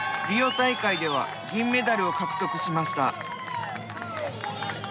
大会では銀メダルを獲得しました。